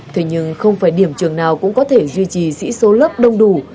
thế nhưng không phải điểm trường nào cũng có thể duy trì sĩ số lớp đông đủ